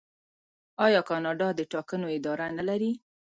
آیا کاناډا د ټاکنو اداره نلري؟